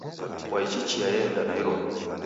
Kwaichi chia ye enda Nairobi?